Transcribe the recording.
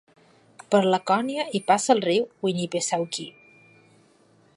Per Laconia hi passa el riu Winnipesaukee.